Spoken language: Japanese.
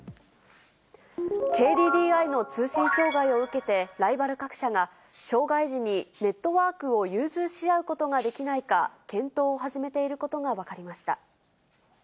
ＫＤＤＩの通信障害を受けて、ライバル各社が、障害時にネットワークを融通し合うことができないか、検討を始めていることが分かりました。